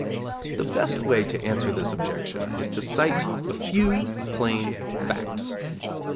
The best way to answer this objection is to cite a few plain facts.